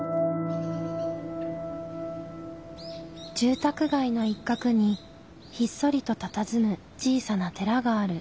住宅街の一角にひっそりとたたずむ小さな寺がある。